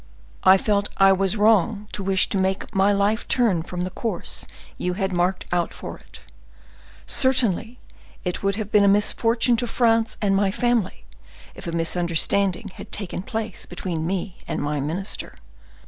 I felt I was wrong to wish to make my life turn from the course you had marked out for it. Certainly it would have been a misfortune to France and my family if a misunderstanding had taken place between me and my minister.